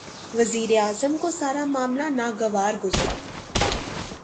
وزیر اعظم کو سارا معاملہ ناگوار گزرا۔